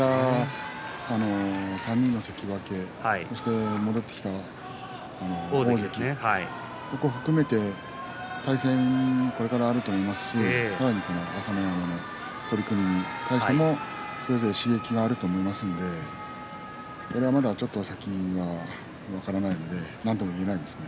３人の関脇そして戻ってきた大関ここを含めてこれから対戦があると思いますので朝乃山の取組に対しても刺激があると思いますのでまだ先は分からないのでなんとも言えないですね。